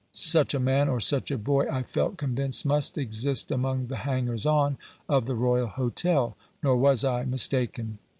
Such a man, or such a boy, I felt convinced must exist among the hangers on of the Royal Hotel; nor was I mistaken.